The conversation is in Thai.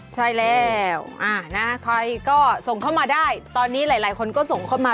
ใช่แล้วใครก็ส่งเข้ามาได้ตอนนี้หลายคนก็ส่งเข้ามา